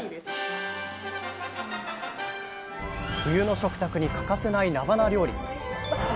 冬の食卓に欠かせないなばな料理。